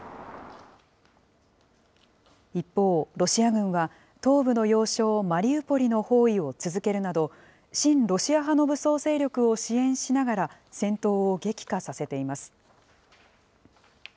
一方、ロシア軍は東部の要衝マリウポリの包囲を続けるなど、親ロシア派の武装勢力を支援しながら、戦闘を激化させています。